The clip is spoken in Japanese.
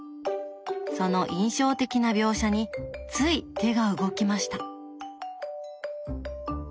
その印象的な描写につい手が動きました。